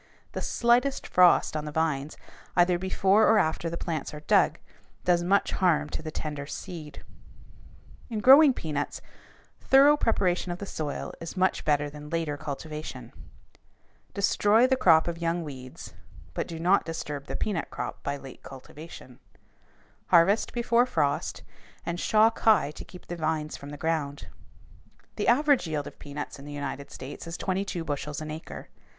The slightest frost on the vines, either before or after the plants are dug, does much harm to the tender seed. [Illustration: FIG. 202. A PEANUT PLANT] In growing peanuts, thorough preparation of the soil is much better than later cultivation. Destroy the crop of young weeds, but do not disturb the peanut crop by late cultivation. Harvest before frost, and shock high to keep the vines from the ground. The average yield of peanuts in the United States is twenty two bushels an acre.